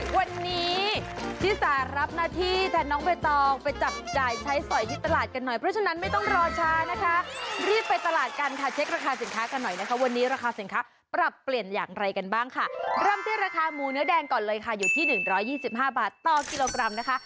วันนี้ชิสารับหน้าที่แทนน้องใบตองไปจับจ่ายใช้สอยที่ตลาดกันหน่อยเพราะฉะนั้นไม่ต้องรอช้านะคะรีบไปตลาดกันค่ะเช็คราคาสินค้ากันหน่อยนะคะวันนี้ราคาสินค้าปรับเปลี่ยนอย่างไรกันบ้างค่ะเริ่มที่ราคาหมูเนื้อแดงก่อนเลยค่ะอยู่ที่หนึ่งร้อยยี่สิบห้าบาทต่อกิโลกรัมนะคะ